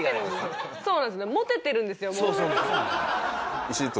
そうなんですよね持ててるんですよ